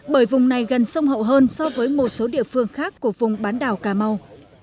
bởi vùng này gần sông hậu hơn so với một số địa phương khác của vùng bán đảo cà mau